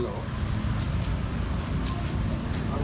โอ้โหโหโอ้โห